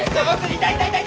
痛い痛い！